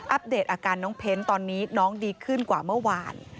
เดตอาการน้องเพ้นตอนนี้น้องดีขึ้นกว่าเมื่อวาน